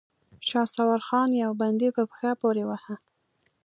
شهسوار خان يو بندي په پښه پورې واهه.